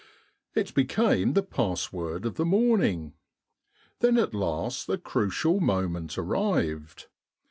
It became the password of the morning. Then at last the crucial moment arrived.